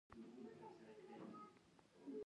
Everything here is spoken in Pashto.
انوارالحق احدي عربي ږیره چپه تراشلې ده.